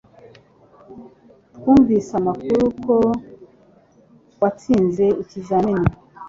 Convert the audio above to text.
Twumvise amakuru ko watsinze ikizamini.